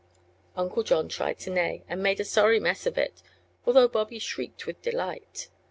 '" Uncle John tried to neigh, and made a sorry mess of it, although Bobby shrieked with delight.